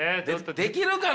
できるかな？